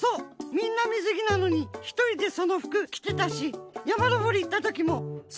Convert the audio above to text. みんなみずぎなのにひとりでその服きてたしやまのぼりいったときもその服だったし。